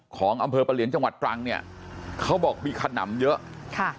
ของอำเภอประเหลียนจังหวัดตรังเนี่ยเขาบอกมีขนำเยอะค่ะ